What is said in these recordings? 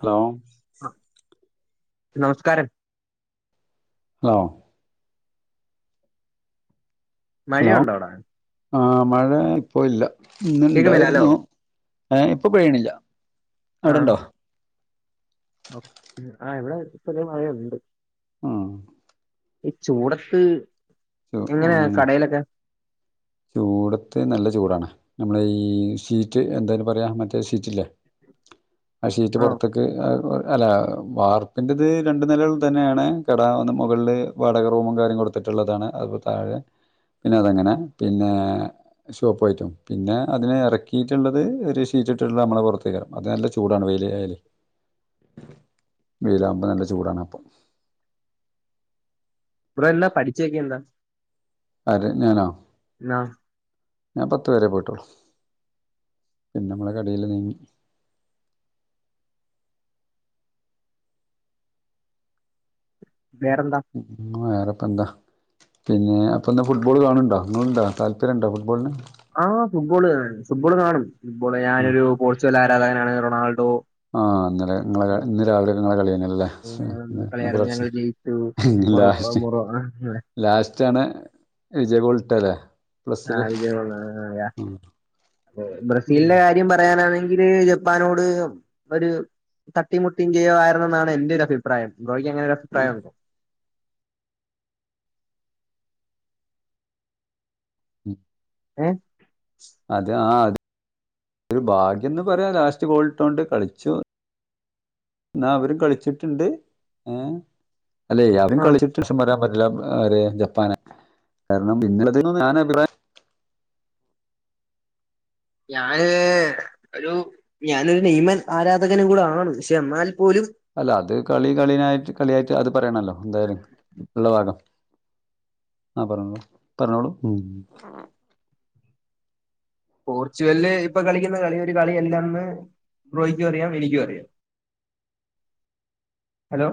Hello ആഹ് നമസ്കാരം [unintelligible] മഴയുണ്ടോ അവിടെ ആഹ് മഴ ഇപ്പോ ഇല്ല ഇന്ന് കേക്കുന്നില്ല ഹലോ ഇണ്ടായിരുന്നു ഏഹ് ഇപ്പൊ പെയ്യണില്ല അവിടെണ്ടോ? [unintelligible] ആഹ് ഇവിടെ ചെറിയ മഴയൊണ്ട് ഉം ഈ ചൂടത്ത് എങ്ങനെയാ [unintelligible] കടയിലൊക്കെ ചൂടത്ത് നല്ല ചൂടാണ് നമ്മളെ ഈ ഷീറ്റ് എന്താ അയ്ന് പറയാ മറ്റേ ഷീറ്റില്ലേ? ആ ഷീറ്റ് ആഹ് പൊറത്തേക്ക് ആഹ് [unintelligible] അല്ല വാർപ്പിൻ്റത് രണ്ട് നിലകൾ തന്നെയാണ് കട ഒന്ന് മുകളില് വാടക റൂമും കാര്യങ്ങളും കൊടുത്തിട്ടുള്ളതാണ് അത്പ്പ താഴെ പിന്നെ അതങ്ങനെ പിന്നെ ഷോപ്പ് ആയിറ്റും പിന്നെ അതിനെ എറകീറ്റ്ള്ളത് ഒരു ഷീറ്റ് ഇട്ടിട്ടുള്ള നമ്മളെ പുറത്തേക്കാരം അത് നല്ല ചൂടാണ് വെയില് ആയാലെ വെയിലാകുമ്പോ നല്ല ചൂടാണ് അപ്പം ഇവിടെ എന്നാ പഠിച്ചയെക്കെ എന്താ ആര് ഞാനോ? ആ ഞാൻ പത്ത് വരെ പോയിട്ടോള്ളൂ പിന്നെ അമ്മളെ കടേല് [unintelligible] വേറെന്താ? [unintelligible] വേറെപ്പന്താ? പിന്നെ അപ്പന്ന് ഫുട്ബോള് കാണ് ണ്ടോ ഇങ്ങള്ണ്ടോ താല്പര്യണ്ടോ ഫുട്ബോൾന് ആഹ് ഫുട്ബോള് കാണും ഫുട്ബോള് കാണും ഫുട്ബോള് ഞാനൊരു പോർച്ചുഗൽ ആരാധകനാണ് റൊണാൾഡോ ആഹ് ഇന്നലെ ഇങ്ങളെ ഇന്ന് രാവിലെ ഇങ്ങളെ കളിയേനല്ലേ ആഹ് ഇന്ന് പുലർച്ചെ ഉം [unintelligible] ലാസ്റ്റാണ് വിജയഗോള്ട്ടേ ലെ ആഹ് വിജയ ഗോള് [unintelligible] ബ്രസീലിന്റെ കാര്യം പറയാനാണെങ്കില് ജെപ് പ്പാനോട് ഒരു തട്ടിമുട്ടിയും ജയവായിരുന്നെന്നാണ് എന്റൊരു അഭിപ്രായം ബ്രോയിക്ക് അങ്ങനൊരു പ്രായണ്ടോ? ഉം ഏഹ് അത് ആഹ് അത് ഒരു ഭാഗ്യന്ന് പറയാ ലാസ്റ്റ് ഗോള്ട്ടോണ്ട് കളിച്ചു ഇന്നാ അവരും കളിച്ചിട്ട്ണ്ട് ഏഹ് അല്ലെ അവരും ആഹ് കളിച്ചിട്ട് [unintelligible] പറയാൻ പറ്റില്ല ആരെ ജപ്പാനെ കാരണം ഇന്നലതിന് ഞാൻ അഭിപ്രായം ഞാന് ഒരു ഞാനൊരു നെയ്മൻ ആരാധകനും കൂടെ ആണ് പക്ഷെ എന്നാൽ പോലും അല്ല അത് കളി കളിനായിട്ട് കളിയായിട്ട് അത് പറയണല്ലോ എന്തായാലും ഇള്ള ഭാഗം ആഹ് പർഞ്ഞോളൂ പറഞ്ഞോളൂ ഉം പോർച്ചുഗല്ല് ഇപ്പ കളിക്കുന്ന കളി ഒരു കളി അല്ലന്ന് ബ്രോയ്ക്കും അറിയാം എനിക്കും അറിയാം ഹലോ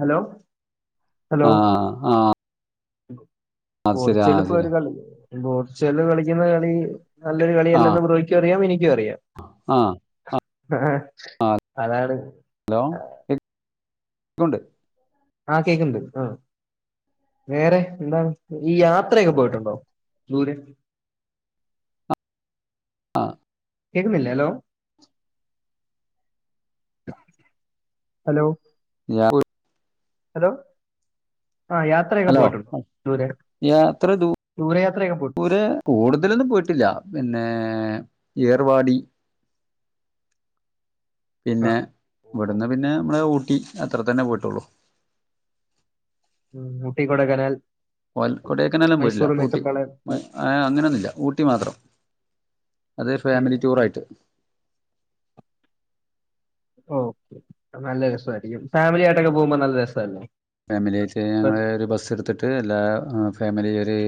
ഹലോ ഹലോ ആ ആ അത് ശരി ആ പോർച്ചുഗല് ഇപ്പൊ ശരി ഒരു കളി പോർച്ചുഗല് കളിക്കുന്ന കളി നല്ലൊരു കളിയല്ലെന്ന് ബ്രോയ്ക്കും അറിയാം എനിക്കും അറിയാം ആഹ് അതാണ് ഹലോ [unintelligible] ആഹ് കേക്ക്ണ്ട് ആഹ് വേറെ എന്താണ് ഈ യാത്രയൊക്കെ പോയിട്ടുണ്ടോ ദൂരെ ആഹ് കേക്കുന്നില്ല ഹലോ ഹലോ [unintelligible] ഹലോ ആഹ് യാ ഹലോ യാത്ര ദൂ ദൂരയാത്രയൊക്കെ പോയി ദൂരെ. കൂടുതലൊന്നും പോയിട്ടില്ല പിന്നേ ഏർവാടി. പിന്നെ ആഹ് ഇവ്ട്ന്ന് പിന്നെ മ്മളെ ഊട്ടി അത്ര തന്നെ പോയിട്ടൊള്ളു. മ് ഊട്ടി കൊടയ്കനാൽ. ഓൽ കൊടയ്കനാലൊന്നും പോയിട്ടില്ല ഊട്ടി ഏ അങ്ങനൊന്നുല്ല ഊട്ടി മാത്രം. അതെ ഫേമിലി ടൂറായിട്ട്. ഓ നല്ല രസായിരിക്കും ഫേമിലി ആയിട്ടൊക്കെ പോഉമ്പം നല്ല രസല്ലേ. ഫേമിലി ആയിട്ട് ഞങ്ങള് ഒരു ബസ്സ് ട്ത്ത്ട്ട് എല്ലാ ഫേമിലി ഒര്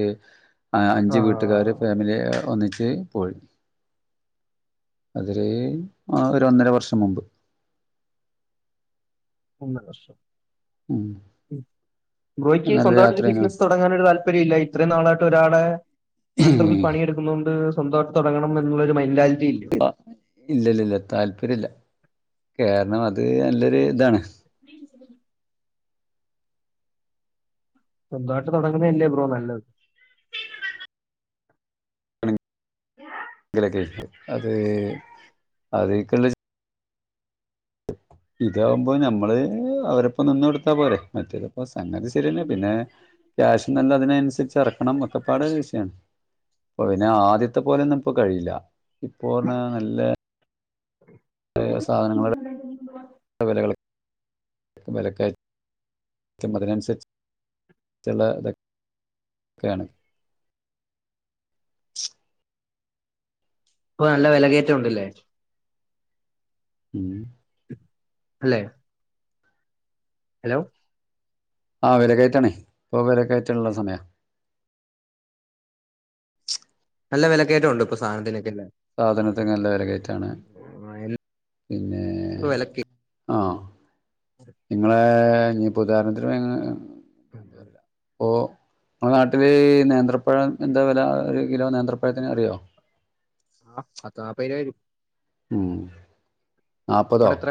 ആഹ് ആ അഞ്ച് വീട്ടുകാര് ഫേമിലി ഒന്നിച്ച് പോയി. അതൊര് ആറെര ഒന്നര വർഷം മുമ്പ്. ഒന്നരവർഷം ഉം ബ്രോയിക്ക് നല്ല സ്വന്തമായിട്ടൊരു യാത്രേനു ബിസിനസ് തൊ തൊടങ്ങാനൊര് താല്പര്യം ഇല്ലേ ഇത്രയും ന്നാളായിട്ട് ഒരാളെ അണ്ടർ പണിയെടുക്കുന്നുണ്ട് സ്വന്തായിട്ട് തൊടങ്ങണം എന്നുള്ളൊരു മൈന്റാലിറ്റി ഇല്ലെ? ഹ ഇല്ലല്ല ല്ല താല്പര്യല്ല കാരണം അത് നല്ലൊരു താണ്. [unintelligible] സ്വന്തായിട്ട് തെടങ്ങുന്നല്ലേ ബ്രോ നല്ലത്. ഏ. കെലക്കാെയിര്ക്കും അത് അതീക്ക്ള്ള ഇതാവുമ്പോ ഞമ്മള് അവരപ്പം നിന്നോടുത്താ പോരെ മറ്റൊത്. ഓ സംഗതി ശരിതന്നെ പിന്നെ ക്യാഷ് നല്ല അതിനനുസരിച്ച് ഇറക്കണം ഒക്ക പാടെ. ഒരു വിഷയമാണ് അപ്പൊ പിന്നെ ആദ്യത്തെ പോലെ ഒന്നും ഇപ്പോ കഴിയില്ല ഇപ്പോ പറ്ഞ്ഞ നല്ല. [inaudible] സാധനങ്ങളുടെ വിലകൾ വിലക്ക റ്റും അതിനനുസരിച്ച്ച്ചുള്ള ഇതൊക്കെ യാണ്. അപ്പോ നല്ല വില കയറ്റം ഉണ്ട്ല്ലേ. ഉം. അല്ലേ. ഹലോ. ആഹ് വെല കയറ്റാണേ ഇപ്പോ വില കയറ്റള്ള സമയാ. നല്ല വിലക്കയറ്റം ഉണ്ട് ഇപ്പ സധനത്തിനൊക്കെല്ലേ? സാധനത്തിന് നല്ല വില കയറ്റാണ് എന്താ പിന്നെ ഇപ്പൊ വിലക്ക് ആഹ്. [inaudible] നിങ്ങളെ ഞ് ഇപ്പോ ഉദാഹരണത്തിന് [unintelligible] ഓ ങ്ങളെ നാട്ടില് നേന്ത്രപ്പഴം എന്താ വില ഒരു കിലോ നേന്ത്രപ്പഴത്തിന് അറിയോ? ആഹ് അതാ പേര് വരും. ഉം നാല്പ്പതോ അവിടെ എത്ര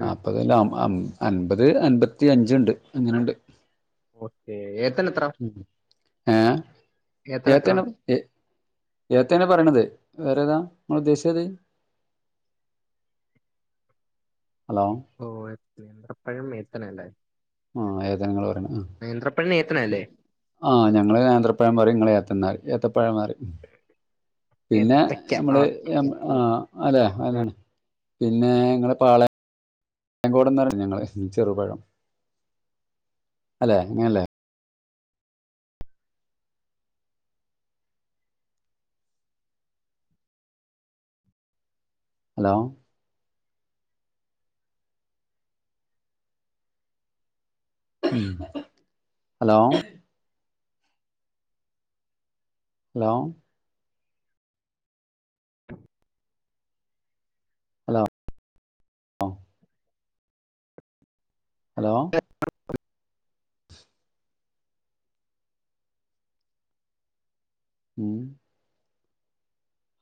നാപ് ഒരുകിലോ അം അം അൻപത് അൻപത്തി അഞ്ച്ണ്ട് അങ്ങനെണ്ട്. ഓക്കേ ഏതന് എത്ര? ഏഹ് ഏത്തൻ എത്ര ഏത്തന്. എ ഏത്തന്നെ പറയണത് വേറെ ഏതാ നിങ്ങൾ ഉദ്ദേശിച്ചത്. ഹലോ. ഓ എ നേന്ത്റപഴം ഏത്തന അല്ലേ? ആഹ് ഏതാങ്ങൾ പറിണ് ആഹ്. നേത്തനല്ലേ ആഹ് ഞങ്ങൾ നേന്ത്രപ്പഴം പറിം നിങ്ങൾ ഏത്തൻന്നറിം ഏത്തപ്പഴം പറിം. പിന്നെ ഏത്തക്ക ആ നമ്മള് നമ്മ ആഹ് അതെ അതെന്നാണ് പിന്നെ ഇങ്ങൾ പ ആളെ ഞാകോടെന്ന് പറ ഞങ്ങള് ചെറുപഴം അല്ലെ അങ്ങനെല്ലേ? ഹലോ. ഉം. ഹലോ ഹലോ ഹലോ ഹലോ [unintelligible] ഉം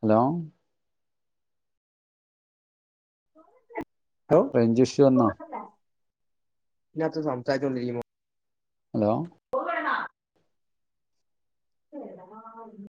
ഹലോ ഹലോ ഫ്രഞ്ച് ഇഷ്യൂ വന്നോ ഇതിനാത്ത് സംസാരിച്ചു കൊണ്ടിരിക്കുമ്പം ഹലോ [inaudible]